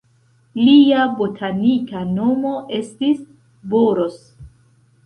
Lia botanika nomo estis "Boros".